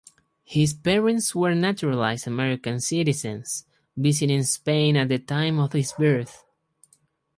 His parents were naturalized American citizens, visiting Spain at the time of his birth.